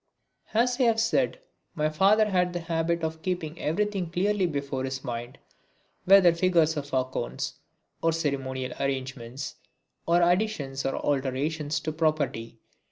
As I have said, my father had the habit of keeping everything clearly before his mind, whether figures of accounts, or ceremonial arrangements, or additions or alterations to property.